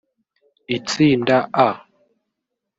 Itsinda A